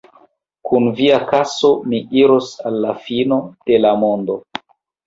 Kun via kaso mi iros al la fino de la mondo!